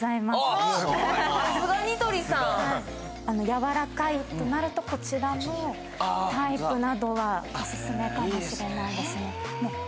やわらかいとなると、こちらのタイプなどはオススメかもしれないですね。